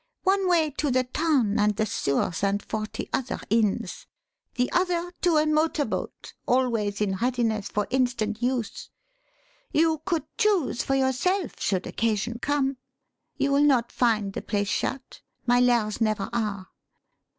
One way: to the town and the sewers and forty other inns. The other: to a motor boat, always in readiness for instant use. You could choose for yourself should occasion come. You will not find the place shut my 'lairs' never are.